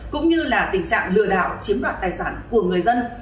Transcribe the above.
cũng như là tình trạng lừa đảo chiếm đoạt tài sản của người dân